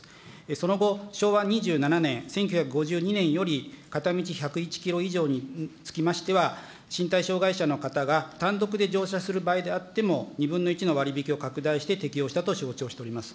その後、昭和２７年、１９５２年より、片道１０１キロ以上につきましては、身体障害者の方が単独で乗車する場合であっても、２分の１の割引を拡大して適用したと承知をしております。